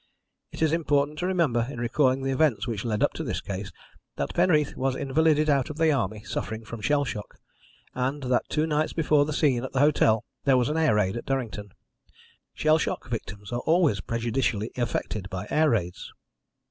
It is important to remember, in recalling the events which led up to this case, that Penreath was invalided out of the Army suffering from shell shock, and that two nights before the scene at the hotel there was an air raid at Durrington. Shell shock victims are always prejudicially affected by air raids.